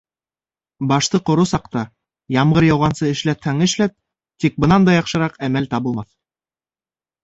Башты ҡоро саҡта, ямғыр яуғансы эшләтһәң эшләт, тик бынан да яҡшыраҡ әмәл табылмаҫ!